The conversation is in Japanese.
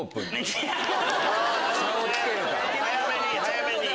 早めに早めに。